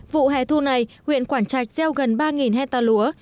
vụ hẻ thu này huyện quảng trạch gieo gần ba hecta lúa